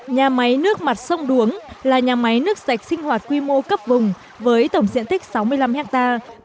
nhà máy nước mặt sông đuống là nhà máy nước sạch sinh hoạt quy mô cấp vùng với tổng diện tích sáu mươi năm hectare